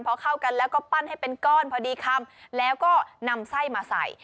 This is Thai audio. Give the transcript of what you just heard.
พอเข้ากันแล้วก็ปั้นให้เป็นก้อนพอดีคำแล้วก็นำไส้มาใส่